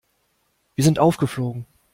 Wir sind aufgeflogen.